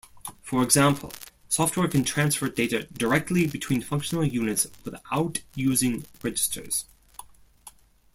For example, software can transfer data directly between functional units without using registers.